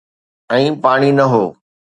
۽ پاڻي نه هو.